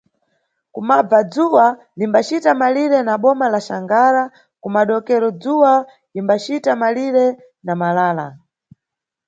Kumabva dzuwa limbacita malire na boma la Xangara kumadokero dzuwa imbacita malire na Malala.